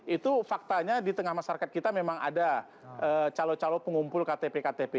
itu faktanya di tengah masyarakat kita memang ada calon calon pengumpul ktp ktp